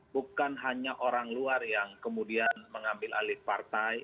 bukan hanya orang luar yang kemudian mengambil alih partai